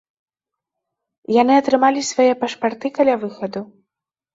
Яны атрымалі свае пашпарты каля выхаду.